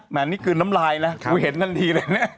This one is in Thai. แบบน้ำลายนะคุยเห็นนั่นดีเลย